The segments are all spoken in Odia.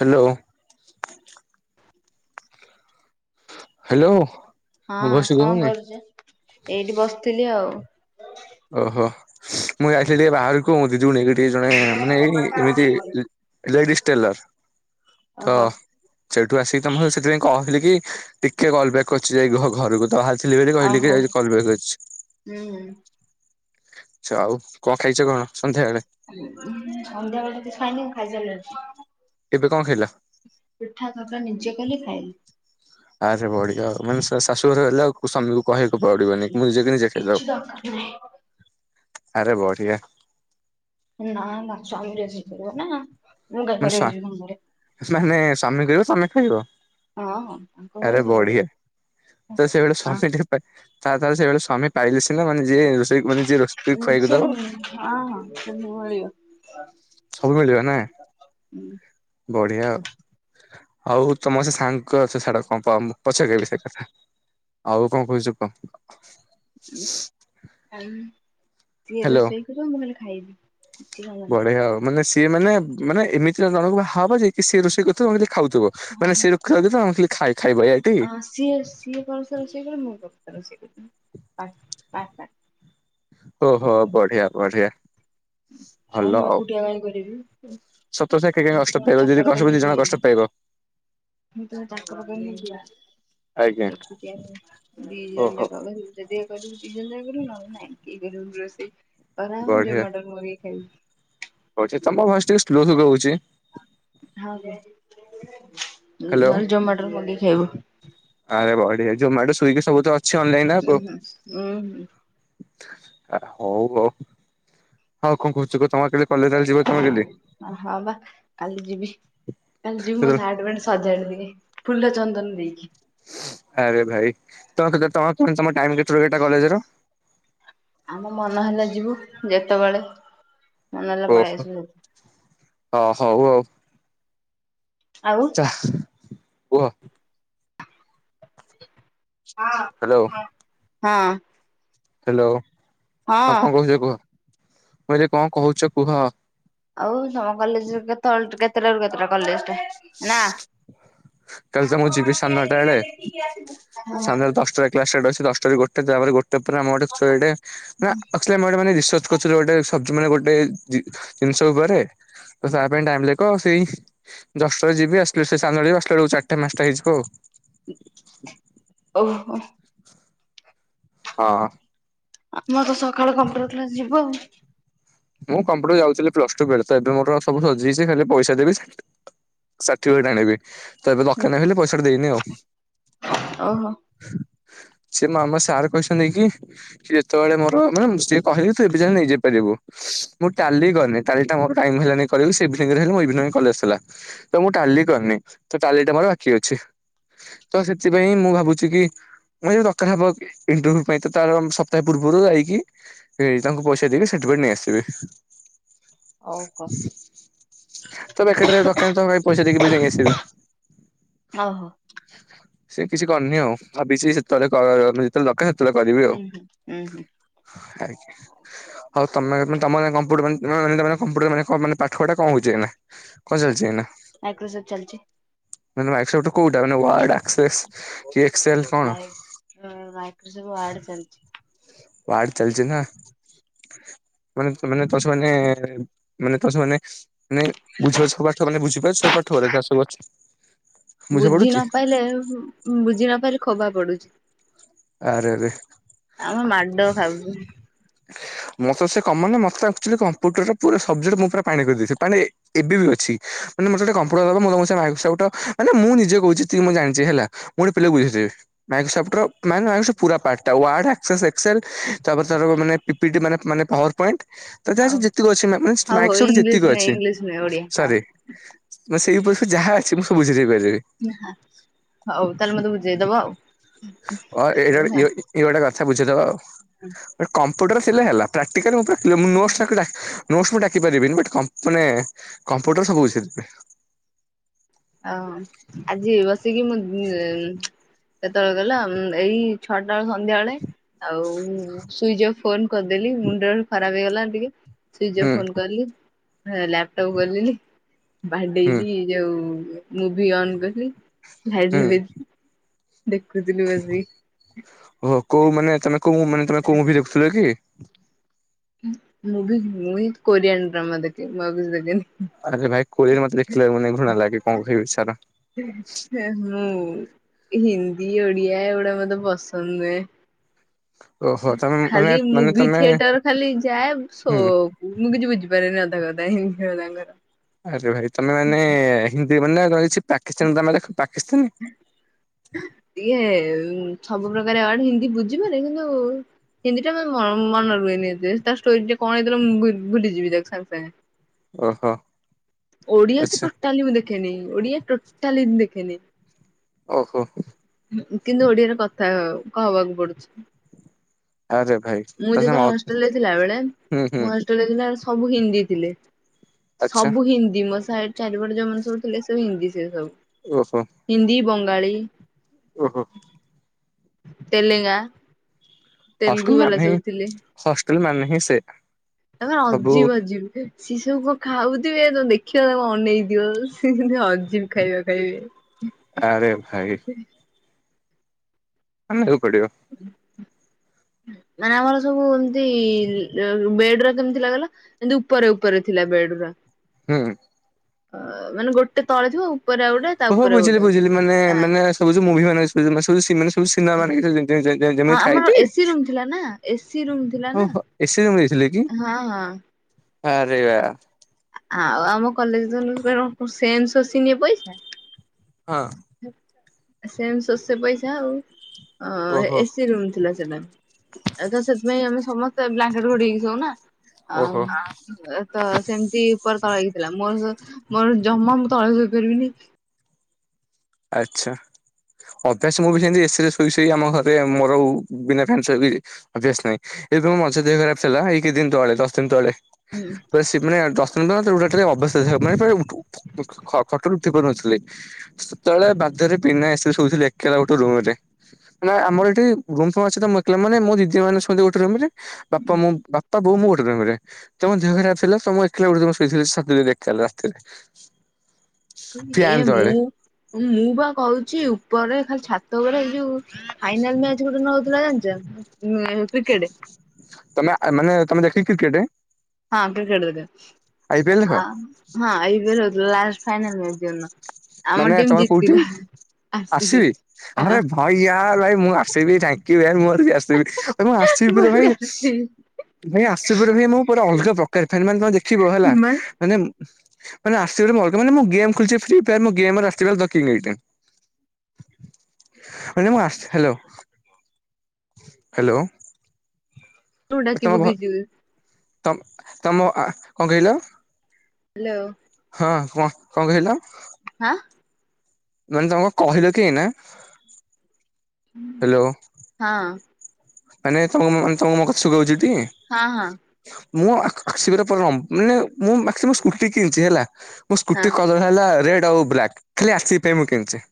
ହ୍ୟାଲୋ। ହ୍ୟାଲୋ। ହଁ ମୋ ଭଏସ ଶୁଭା କଣ ଯାଉନି? କରୁଛ ଏଇଠି ବସିଥିଲି ଆଉ। ଓହୋ ମୁଁ ଯାଇଥିଲି ଟିକେ ବାହାରକୁ ମୋ ଦିଦି କୁ ଜଣେ ମାନେ ଏଇ ଏମିତି ଲ ଟେଲର ତ ଓହୋ। ସେଇଠୁ ଆସିକି ତମକୁ ସେଥିପାଇଁ କହିଲି କି ଟିକେ କଲ ବ୍ୟାକ୍ କରିୁଛି ଯାଇ ଘରକୁ ତ ଭହାରଥିଲି ବୋଲି ଆଉ କହିଲେ କି ହଉ ହୁଁ। କଲ ବ୍ୟାକ୍ ଅଛି। ଛ ଆଉ କଣ ଖାଇଛ କଣ ସନ୍ଧ୍ୟାବେଳେ? ସନ୍ଧ୍ୟାବେଳେ କିଛି ଖାଇନି ମୁଁ ଖାଇସାରିଲିନି। ଏବେ କଣ ଖାଇଲ। ମିିଠା ତରକାରୀ ନିଜେ କଲି ଖାଇଲି। ଆ ଜେ ବଢ଼ିଆ ଆଉ ମାନେ ଶା ଶାଶୁଘରେ ହେଲେ ଆଉ କୋଉ ସ୍ୱାମୀ କୁ କହିବାକୁ ପଡିବନି ମୁଁ ନିଜକୁ ନିଜେ ଖାଇଦବ। କିଛି ଦରକାର ନାହିଁ ଆରେ ବଢିଆ। ନା ନା ସ୍ୱାମୀ ରୋଷେଇ କରିବ ନା। ମୁଁ କାଇଁ ମାନେ କରିବାକୁ ଯିବି ତାଙ୍କ ଘରେ ସ୍ବା ମାନେ ସ୍ୱାମୀ କହିବ ସ୍ୱାମୀ ଖାଇବ ହଁ ହଁ ତାଙ୍କ ଆରେ ଘରେ ସେ ବଢିଆ କରିବେ। ତ ସେଇଭଳି ସ୍ବାମୀ ଟେ ପା ତାହାଲେ ତାହେଲେ ସେଇଭଳି ସ୍ବାମୀ ପାଇଲେ ସିନା ମାନେ ଯିଏ ରୋଷେଇ ମାନେ ଯିଏ ରୋଷେଇ ଉ ଖୁଆଇକି ସେ ଦବ ହଁ ହଁ ସବୁ ମିଳିବ। ସବୁ ମିଳିବ ନା। ବଢିଆ ଆଉ। ଆଉ ତମ ସେ ସାଙ୍ଗ ସେ ସାଙ୍ଗ କ କ କଣ ପଛରେ କହିବି ସେ କଥା ଆଉ କଣ କହୁଛ କହ। [inaudible] ସେ ରୋଷଇ କରିବ ମୁଁ ଖାଲି ଖା ଖାଇବି। କିଛି କାମନାହିଁ। ବଢେଇ ଆଉ ମାନେ ସିଏ ମାନେ ମାନେ ଏମି ତି ଜଣ କୁ ବାହା ହବ ଯେ କି ସେ ରୋଷେଇ କରୁଥିବ ମୁଁ ଖା ଖାଉଥିବ ମାନେ ସେ [unintelligible] ତମେ ଖାଲି ଆ ସିଏ ସିଏ ପରସ୍ତେ ରୋଷେଇ କରିବ ମୁ ପ ରୋଷେଇ କରିବି [inaudible] ଓ ହୋ ବଢିଆ ବଢିଆ। ହଁ ଭଲ ମୁଁ ଆଉ। ଏକୁଟିଆ କାଇଁ କରିବି। ସତକଥା କିଏ କାଇଁ ମତେ କଷ୍ଟ କଣ ପାଇବ ଯଦି ଚାକର କଷ୍ଟ କରିକି ଦି ଜଣ ନେଇକି କଷ୍ଟ ଆସିଛି, ପାଇବ ମୁତ କଣ ଚାକର କରିକି ନେଇକି ମୁଁ ତ ମୋ ଚାକର ପାଇଁ ନେଇକି ଆ ଆଜ୍ଞା ଏକୁଟିଆ, ଦି ଜଣ ଓହୋ ଯାକ କରିବୁ ଯଦି ଇଏ କରିବୁ ଦିଜଣ ଯାକ କରିବୁ ନହଲେ ନାଇଁ କି [inaudible] ରୋଷେଇ ନହେଲେ ଆମେ ଜୋମାଟୋ ରୁ ମଗେଇକି ଖାଇବୁ। ହୋଉଛି ତମ ଭଏସ ଟିକେ ସ୍ଲୋ ଶୁଭା ହୋଉଛି। [inaudible] ହ୍ୟାଲୋ। ନହେଲେ ଜୋମାଟୋରୁ ମଗେଇକି ଖାଇବୁ। ଆରେ ବଢିଆ ଜୋମାଟୋ ସ୍ଵିଗି ସବୁ ତ ଅ [inaudible] ଆ ହଉ ଆଉ ଆଉ କଣ କହୁଛୁ କ ହଁ ବା କାଲି ଯିବି, କାଲି ଯିବି ମୋ କେତେବେଳେ ସାଟ୍ ପେଣ୍ଟ ସଜାଡି ଦିଏଁ। ଫୁଲ ଚନ୍ଦନ ଦେଇକି। ଆରେ ଭାଇ ତ ତ କ ତ କେତ ଏଟା କଲେଜ ର। ଆମ ମନ ହେଲା ଯିବୁ ଯେତେବେଳେ। ମନ ହେଲା ପଳେଇ ଓହୋ ହ ଆସିବୁ ଅହଉ ଆଉ ଆଉ ଚା ଉହ ହ୍ୟାଲୋ। ହଁ। ହ୍ୟାଲୋ। ଆଉ ହଁ। କଣ କହୁଛ କୁହ। ହଇରେ କଣ କହୁଛ କୁହ। ଆଉଜ ତମ କଲେଜର କେତବଳଠୁ କେତେ କେତେଟାରୁ କେତେଟା କଲେଜଟା। କାଲି ତ ମୁଁ ଯିବି ସାଡେନଟା ବେଳେ। ସଡେନଟା ଦଶଟା କ୍ଲାସ ଷ୍ଟାଟ ଅଛି, ଦସ ତା ଗୋଟେ ତାପରେ ଗୋ [unintelligible] କର ଗୋଟେ ସବଜି ମାନେ ଗୋଟେ ଜିନିଷ ଉପରେ ତ ତା ପାଇଁ ଟାଇମ ଲେଖ ସେଇ ଦଶଟାରେ ଯିବି ଆସିଲେ ସେ ସାନ୍ଳ ଯିବ ଆସିଲ ବେକୁ ଚାରିଟେ ମାସଟ ହେଇଯିବ ଆଉ। ଓହୋ। ହଁ ମୋତ ସ ସକାଳେ କମ୍ପ୍ୟୁଟର କ୍ଲାସ୍ ଯିବ ଆଉ। ମୁଁ କମ୍ପ୍ୟୁଟର ଯାଉଥିଲି ପ୍ଲସ ଟୁ ତ ଏବେ ମୋର ସବୁ ସଜେଇଛି ଖାଲି ପଇସା ଦେବି ସାର୍ଟିଫିକେଟ ଆଣିବି। ତ ଏବେ ଦୋକ ନ ହେଲେ ପଇସାଟା ଦେଇନି ଆଉ। ଓହୋ। ସେ ମାମା ସାର୍ କହିଛନ୍ତି କି? ସେତେବେଳେ ମୋର ମାନେ ସିଏ କହେଥିବେ। ନେଇ ଯାଇପାରିବୁ। ମୁଁ ଟାଲି କରିନି ଟାଲି ଟା ମୋର ଟାଇ ହେ ସେ ହେ ମୁ ଏ କ ଆସଥିଲା ତ ମୁଁ ଟାଲି କରିନି ତ ଟାଲି ଟା ମୋର ବାକି ଅଛି ତ ସେଥିପାଇଁ ମୁଁ ଭାବୁଛି କି ମୁ ଯ ଦରକାର ହବ ଇଣ୍ଟରଭ୍ୟୁ ପାଇଁ ତ ତାର ସପ୍ତାହ ପୂର୍ବରୁ ଯାଇକି ତାଙ୍କୁ ପଇସା ଦେଇକି ସାର୍ଟିଫିକେଟ ନେଇ ଆସି ସେ ଓହୋ। ତ ବକଟରେ ଦାନ ପଇସା ଦେଇକି ଯାଇକ ଆସେ ଓହୋ ସେ କିଛି କରିନି ଆଉ ଭାବିଛି ସେତେବେଳେ ଯେତେବେଳେ ଦରକାର। କରିବି ଆଉ ହୁଁ ହୁଁ ହୁଁ ହୁଁ ଆ ଆଉ ତମେ ତମ କମ୍ଟର ମାନ କମ୍ପ୍ୟୁଟର ମାନୋନ ପାଠୁଡା କଣଉଛି କଣ ଚାଲିଛି ନା। ଆାଇକ୍ରୋସଫ୍ଟ ଚାଲଛି। ମାନେ ୱାଇସଟ୍ କୋଉଟା ମାନେ ୱାଇ ଆକକ୍ସୱେସ୍ କି ଏକ୍ସେଲ କଣ? ନାଇଁ ମୋର ମାଇକ୍ରୋସଫ୍ ୱାର୍ଡ ଚାଲିଚି। ୱାର୍ଡ ଚାଲିଚି ନା ମାନେ ମାନେ ତ ସବୁ ମାନେ ତ ମାନେ ତୋ ସବୁ ମାନେ ମାନେ ବୁଝି ପାରୁଚୁ ସବୁ ପାଠ ମାନେ ବୁଝିପାରୁ ସବୁ ପାଠ ସବୁ ଅଛି। ବୁଝା ବୁଝି ପଡୁଛି ନପାଇଲେ ବୁଝି ନପାରଲେେ ଖବା ପଡୁଛି ଆରେରେ ଆମେ ମାଡ ଖାଉଛୁ ମୋତ ସେ କମନ ମୋତେ ଏକଚୁଲି କମ୍ପୁଟର ପୁରା ସବଜେକ୍ଟ ମୁଁ ପୁରା ପାଣି କରିଦେଇଥିଲି ଏବେ ବି ଅଛି ମାନେ ମୋର ଗୋଟେ କମ୍ପୁଟର ମଁ ମାଇକ୍ରୋସଫ୍ଟ ମାନେ ମୁଁ ନିଜେ କହୁଛି ଯେତିକି ମୁଁ ଜାଣିଛିେ ହେଲା ମୁଁ ଗୋଟେ ପିଲାକୁ ବୁଝେଇଥିବି ମାଇକ୍ରୋସଫ୍ଟର ମାନେ ପୁରା ପାର୍ଟା ଟା ୱାର୍ଡ ଆକ୍ସେସ୍ ଏକ୍ସେଲ ତାପରେ ତାର ମାନେ ପିପିଟି ମାନେ ମାନେ ପାୱାର ପଏଣ୍ଟ ତା ଯା ଆଉ ସବୁ ଯେତିକି ଅଛିା। ମିନସ ହଉ ହଉ ମାଇକ୍ରୋସଫ୍ଟ ଇଂଲିଶ ଯେତିକି ନୁହେଁ ଅଛି ଇଂଲିଶ ନୁହେଁ ଓଡିଆ ହଉ। ସରି ମ ସେଇ ଉପରେ ସେଇ ଯାହା ଅଛି ମୁଁ ବୁଝେଇ ଝି ଯିବ ହଉ ତାହେଲେ ମୋତେ ବୁଝେଇଦବ ଆଉ କେତେବେଳେ [unintelligible] କଥା କଥା ବୁଝେଇ ଦେବା ଆଉ କମ୍ପୁ - କମ୍ପ୍ୟୁଟର ଶିଖିଲେ ହେଲା ପ୍ରାକ୍ଟିକାଲ ମୁଁ ପୁରା। ହେ ମୁଁ ନୋଟସ ତାକୁ ଡାକି - ନୋଟସ ମୁ ଡାକି ପାରିବିନି ବଟ ମାନେ କମ୍ପୁଟର ସବୁ ବୁଝେଇଦେବି। ଓ ଆଜି ବସିକି ମୁଁ ଯେତେବେଳେ ଗଲା ଏଇ ଛଅଟା ବେଳ ସନ୍ଧ୍ୟା ବେଳେ ଆଉ ସୁଇଚ ଅଫ୍ ଫୋନ କରିଦେଲି ମୁଣ୍ଡରେ ଖରାପ ହେଇଗଲା ଟିକେ। ସୁଇଜ ଅଫ ହୁଁ ଫୋନ କଲି। ଏ ଲାପଟପ୍ ଗଲିି ହୁଁ ବାଡେଇକି ଯୋଉ ମୁଭି ଅନ୍ କଲି ହୁଁ [unintelligible] ବି ଦେଖୁଥିଲୁ ଆଜି ଓହୋ କୋଉ ମାନେ ତମେ କଉ ମାନେ ତମେ କୋଉଁ ବିି ଦେଖୁଥିଲ କି? ମୁଁ ବି ମୁଁ କୋରିଆନ୍ ଡ୍ରାମା ଦେଖି ମୁଁ ଆଉ କିଛି ଦେଖିନି ଆରେ ଭାଇ କୋରିଅର ମତେ ଦେଖିଲେ ମାନେ ଘୃଣା ଲାଗେ କଣ କହିବି ବି ଚାର ମୁଁ ହିନ୍ଦୀ ଓଡ଼ିଆ ଏଡା ମତେ ପସନ୍ଦ ନୁହେଁ। ଓହୋ ତମେ ମାନେ ଖାଲି ମାନେ ମୁଭି ତମେ ଥିଏଟର ଖାଲି ଯାଏ ସୋ ହୁଁ। ମୁଁ କିଛି ବୁଝିପାରିନି ଅଧା କଥା ହିଁ ଖ ଦଙ୍ଗର ଆରେ ଭାଇ ତମେ ମାନେ ହ [unintelligible] ମାନେ ରହିଛି ପାକିସ୍ତାନ ତମେ ଦେଖ ପା କିନ [inaudible] ଟିକେ ସବୁ ପ୍ରକାରଡ ହିନ୍ଦୀ ବୁଝିପାରେ କିନ୍ତୁ ହିନ୍ଦୀ ଟା ମନ ରୁହେନି ତାଷ୍ଟୋରି ଟେ କଣ ହେଇଥିଲା ମୁଁ ଭୁଲିଯିବି ତା ସାଙ୍ଗେ ସାଙ୍ଗେ ଓହୋ। ଓଡିଆ ତ ଆଚ୍ଛା ଟୋଟାଲି ମୁ ଦେଖି ଦେଖେି ଓଡ଼ିଆ ଟୋଟାଲି ଦେଖେ ନିି। ଓହୋ। କିନ୍ତୁ ଓଡିଆରେ କଥା କହବାକୁ ପଡୁଛି। ଆରେ ଭାଇ ମୁଁ ତାହେଲେ ମ ଯେତେତବେଳେ ହଷ୍ଟେଲରେ ଥିଲା ବଳେ ହୁଁ ହୁଁ ମୁଁ ହଷ୍ଟେଲରେଥିଲ। ସବୁ ହିନ୍ଦୀ ଥିଲେ। ଆଚ୍ଛା ସବୁ ହିନ୍ଦୀ। ଚାରିପଟେ ଯମନ ସବୁ ଥିଲେବ ହିନ୍ଦୀ ସ ସେ ସବୁ ଓହୋ। ହିନ୍ଦୀ ବଙ୍ଗାଳୀ। ଓହୋ ତେଲେଙ୍ଗା। ତେଲୁଗୁ ହଷ୍ଟେଲ ମ ବାଲା ସବୁ ହ ମାନେହିିଁ ସେ ଏବେ ସବୁ ଅଜିବ ଯିବ। ସେି ସବୁ କଣ ଖାଉଥିବେ ତ ଦେଖିବ ଅନେଇ ଦିଅ ସେ ହଜିିବ ଖାଇବା ଖାଇବେ। ଆରେ ଭାଇ ଆ ପଡିବ। ମାନେ ଆମର ସବୁ ଏମତି ବେଡ ର କେମିତି ଲାଗଲା ଏମତି ଉପରେ ଉପରେ ଥିଲା ବେଡ ର। ହୁଁ। ଅ ମାନେ ଗୋଟେ ତଳେ ଥିବ ଆଉ। ଉପରେ ଗୋଟେ ତା ଓହୋ ଉପରେ ବୁଝିଲି ଗୋଟେ ବୁଝିଲି ହଁ ମାନୋନେ ସବୁୁ ମୁଭି। [unintelligible] ମାନେ ହଁ ଯେମିତି ଆମର ଥାଏଟି ଏସି ରୁ ଥିଲା ନା ଏସି ର ଥିଲା ଓ ନା ହୋ ଏସି ରୁମ୍ ଯାଇଥିଲେ କି ହଁ ହଁ ଆରେ ବା ଆଉ ଆମ କଲେ। ସେନ୍ ଶସିିନି ପଇସା। ହଁ। ସେମ ଶସେ ପଇସା ଆଉ। ଓହୋ ଏସିି ରୁମ୍ ଥିଲା ସେଇଟା। ଏ ତ ସେଥିପାଇଁ ଆମେ ସମସ୍ତେ। ବ୍ଲାଙ୍କେଟ ଘଡକି ସଉନା ଆ ଓହୋ ଏ ତ ସେମିତି ଉପର। ତଳେ ହେଇଥିଲା ମୋର ମୋର ଜମା ମୁଁ ତଳେପାରିବିନି। ଆଚ୍ଛା ଅଭ୍ୟାସ ମୁଁ ବି ସେମତି ଏସରେ ଶୋଇ ଶୋଇ ଆମ ଘରେ ମୋର ବିନା ଫ୍ୟା ଅଭ୍ୟାସ ନାହିଁ ଏବେ ମଝା ଦେହ ଖରାପ ଥିଲା ଏ ଦିନ ତଳେ ଦଶ ଦିନ ତଳେ। ପୁର ମାନେ ଦଶ ଦିନ ଦିନା ଅବସର ହେବ। ମାନେ ପୁରା ଖ ଖ ଖଟରୁ ଉଠି ପାରୁନଥିଲେ। ସେତେବେଳେ ବାଧରେ ପ ଆସିଲୁି ଏକଲା ଗୋଟେ ରୁମ ରେ ଆମର ଏଠି ରୁମ ସମ ଅଛି ତ ଏକଲା ମାନେ ମୋ ଦିଦି ମାନେଛନ୍ତି ଗୋଟେ ରୁମ ରେ। ବାପା ମୁଁ ବାପା ବୋଉ ମୁଁ ତମ ଦେହ ଖରାପ ଥିଲା ତମ ଏକିଲ ଗୋ ଶୋଇଥିଲ ଦେଖି ରାତିରେ। ଏ ଫ୍ୟାନ୍ ତଳେ। ମୁଁ। ମୁଁ ବା କହୁଛି ଉପରରେ ଖାଲି ଛାତ ଗୋଡ ହେଇଯିବ। ଫାଇନାଲ୍ ମ୍ୟାଚ କୋଉ ଦିନ ହୋଉଥିଲା ଜାଣିଛ? ହଁଉଁ କ୍ରିକେଡେ। ତମେ ମାନେ ତମେ ଦେଖିକି କ୍ରିକେଟ। ହଁ କ୍ରିକେଟ୍ ଦକ ପି ଏଲ୍ ଦେଖ ହଁ ଆଇ ପିଏଲ ଫାଇନ। ଜାଣିନ? ମାନେ ତମର କୋଉଠି ଆସିବି ଆରେ ଭଇ ୟାର ଭାଇ ମୁଁ ଆସ [unintelligible] ଆସିବି ମୁଁ ଆସିବି ପୁର ଭାଇ ଭାଇ ଆସିବ ପ ଭାଇ ମୁଁ ପୁର ଅଲଗା ପ୍ରକାର ଫ ମାନେ ତମେ ଦେଖିବ ହେଲା ମାନେ। ମାନେ ଆସିବୋ ମାନେଁ ଗେମ୍ ଖୋଲିଛି ଫ୍ରି। [unintelligible] ମୁଁ ଡାକି ତମ ଭ ପକେଇଛୁ। ତମ ତମ କଣ କହିଲ? ହ୍ୟାଲୋ। ହଁ କୁହନ୍ତୁ କଣ କହିଲ? ହାଁ। ମାନେ ତମକୁ କହିଲ କି ଏଇନା। ହ୍ୟାଲୋ ହଁ। ମାନେ ତ ମେ ତମ ମ ଶୁଭୁଚିଟି। ହଁ ହଁ ମୁଁ ଆସିବାର ପରିଣ ମାନେ ମୁଁମ୍ ସ୍କୁଟି କିଣିଛି ହେଲା। ମଁ ସ୍କୁଟି କଦଳ ହେଲା ରେ ସବୁ ବ୍ଲାକ ଖାଲି ଆର ସି ପ୍ ପାଇଁ ମୁଁ ଖାଲି କିଣିଛି।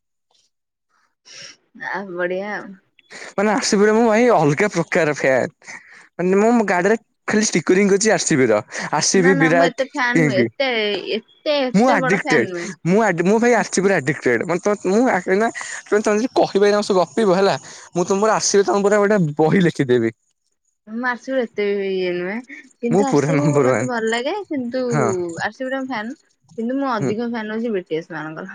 ଆ ବଢିଆ ଆଉ ମାନେ ଆସିବି ମୁଁ ଭାଇ ଅଲଗା ପ୍ରକାର ଫାନ ମାନେ ମୁଁ ଗାଡିରେ ଖାଲି ଷ୍ଟିକରିଂ କରିୁଛି ଆସିବି ର। ଆର ସି ନା ପ୍ ନା ମୁଁ ବିରାଟ ଏତେ ଫ୍ୟାନ ନୁହେଁ କେକ ଏତେ ଏତେ ମୁଁ ଏତେ ବଡ ଆଡିକଟେ ଫ୍ୟାନ ନୁହେଁ। ମୁ ମୁଁ ଭାଇ ଆସିଛି ପଟେ ତ ମୁଁ ତେ ତମେ ଯଦି କହିବାରି ସବ ଗପିବ ହେଲା ମୁଁ ତମର ଆର ସି ପ୍ ତମ ପୁର ଗୋଟେ ବହି ଲେଖିଦେବି। [unintelligible] କିନ୍ତୁ ମୁଁ ପୁରା ଆରଷିବ ନମ୍ବର ୱାନ ମତେ ଭଲ ଲାଗେ କିନ୍ତୁ ହଁ ଆରସି ଵି ର ଫ୍ୟାନ। କିନ୍ତୁ ମୁଁ ହୁଁ ଅଧିକ ଫ୍ୟାନ୍ ଅଛି ମଣଙ୍କ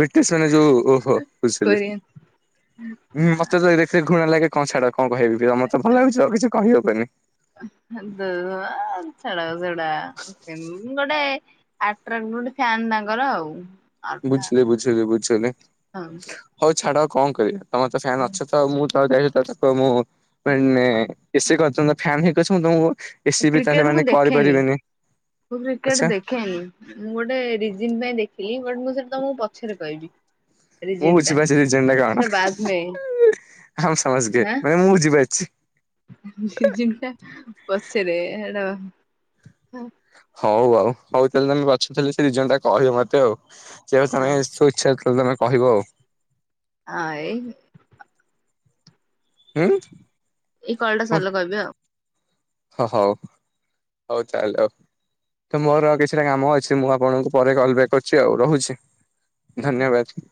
ବ୍ରିଟିଶ ମାନେ ଯୋଉ ଓହୋ କୋରିଆନ୍ ମତେ ଯଖ ଘୁଣା ଲାଗେ କଣ ାଡ଼କୁ ଏ ଚ ସେଟା ସେ ଗୋଟୋ ଗୋଟେ ଫନ୍ ତାଙ୍କର ଆଉ ଅଲଗା ବୁଝିଲେ ବୁଝିଲି ବୁଝିଲି ହଁ ହଉ ଛାଡ କଣ କରିବା? ତମର ତ ଫ୍ୟାନ୍ ଅଛ ତ ମୁଁ। ତଶ ତ ତା ମୁଁ ବ ମ ଏେ କ ତ ଫନ୍ ହେଇକି ମୁ ତମ କ୍ରିକେଟ ମୁଁ ଦେଖେନି ମୁଁ କ୍ରିକେଟ ଆଚ୍ଛା ଦେଖେନି ମୁଁ ଗୋଟେ ରିଜି ପାଇଁ ଦେଖିଲି। ମୁଁ ସେଠି ତମକୁ ପଛରେ କହିବି। ମୁଁ ରିଜିନ ଟା ବୁଝିପାରୁଛି ଦୁ ଜା କଣ ସେଟା ବାଦ୍ ମେ ଆମ ସମସ୍ତେ ହାଁ ମାନେ ମୁଁ ବୁଝିପାରୁଛି। ପଛରେ ହଉ ଆଉ ହଉ ତାହେଲେ ତମେ ବାଛୁଥିଲ ସେ ଦିଇ ଜଣ ଟା କହିବ ମତେ ଆଉ ଯେଉ ହଁ ସମୟ ସୂ୍ଛକ ତ ତମେ କହିବ ଆଉ। ଆଏଇ ହୁଁ। ଏଇ କଲ୍ ଟା ସାରିଲେ କହିବି ଆଉ। ହ ହଉ ହଉ ତାହେଲେ ତ ମୋର କିଛିଟା କାମ ଅଛି ମୁଁ ଆପଣଙ୍କୁ ପରେ କଲ ବକ୍ କରୁଛି ଆଉ ରହୁଛି ଧନ୍ୟବାଦ।